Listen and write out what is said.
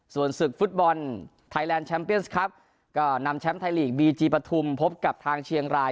ส่วนศึกฟุตบอลไทยแลนด์แชมเปียนส์ครับก็นำแชมป์ไทยลีกบีจีปฐุมพบกับทางเชียงราย